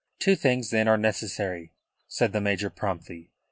"Two things, then, are necessary," said the major promptly.